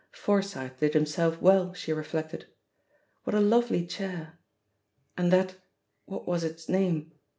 Forsyth did himself well, she reflected. What a lovely chair! And that — ^what was its name